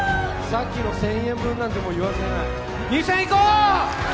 さっきの１０００円分なんてもう言わせない２０００いこう！